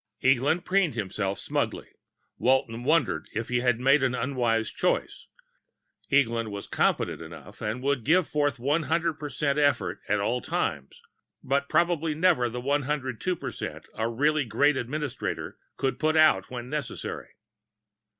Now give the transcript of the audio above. Eglin preened himself smugly. Walton wondered if he had made an unwise choice; Eglin was competent enough, and would give forth one hundred percent effort at all times but probably never the one hundred two percent a really great administrator could put out when necessary.